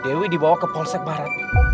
dewi dibawa ke polsek barat